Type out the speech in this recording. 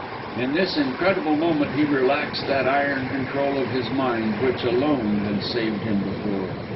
In this incredible moment he relaxed that iron control of his mind, which, alone, had saved him before.